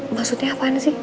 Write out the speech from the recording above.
maksudnya apaan sih